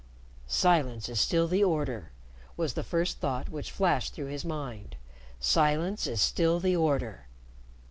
"Silence is still the order," was the first thought which flashed through his mind. "Silence is still the order."